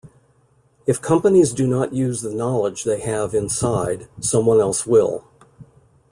If companies do not use the knowledge they have inside, someone else will.